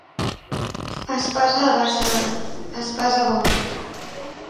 Espasa de Barcelona, espasa bona.